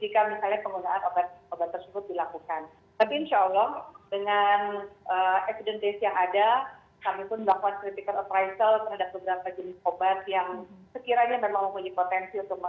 kami berusaha nanti memberikan langsungan langsungan kepada pemerintah dan pemerintah pemerintah untuk memberikan perhatian perhatian yang sekiranya dapat menjadi satu penyulit